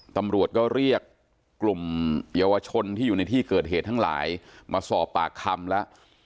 ตำรวจก็เรียกกลุ่มเยาวชนที่อยู่ในที่เกิดเหตุทั้งหลายมาสอบปากคำแล้ว